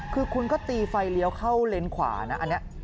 คือคุณก็ตีไฟเลี้ยวเข้าเลนขวานะอันนี้